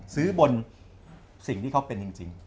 ซื้อบนสิ่งที่เขาเป็นจริง